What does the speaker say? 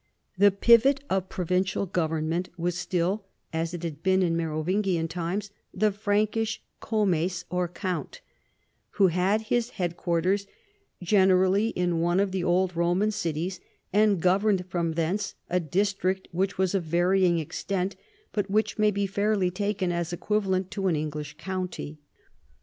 The pivot of pro vincial government was still, as it had been in Merovingian times, the Frankish comes or count, who had his headquarters generally in one of the old Roman cities, and governed from thence a district which was of varying extent, but which ma}'' v be fairly taken as equivalent to an Engiisii county.